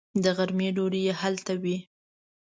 د غرمې ډوډۍ یې هلته وي.